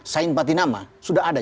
sain patinama sudah ada